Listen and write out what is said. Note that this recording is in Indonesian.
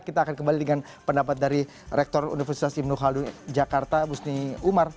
kita akan kembali dengan pendapat dari rektor universitas imno kaldung jakarta musni umar